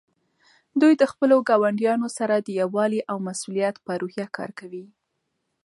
دوی د خپلو ګاونډیانو سره د یووالي او مسؤلیت په روحیه کار کوي.